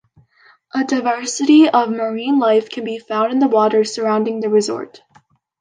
A diversity of marine life can be found in the waters surrounding the resort.